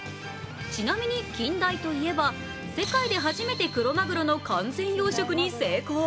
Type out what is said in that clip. ちなみに近大といえば、世界で初めてクロマグロの完全養殖に成功。